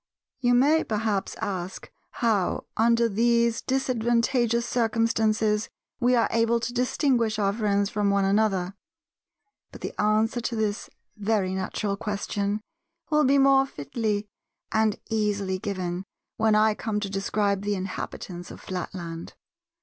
You may perhaps ask how under these disadvantagous circumstances we are able to distinguish our friends from one another: but the answer to this very natural question will be more fitly and easily given when I come to describe the inhabitants of Flatland.